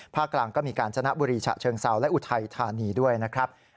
กลางก็มีการชนะบุรีฉะเชิงเซาและอุทัยธานีด้วยนะครับ